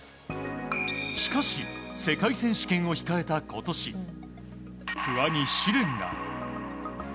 しかし、世界選手権を控えた今年不破に試練が。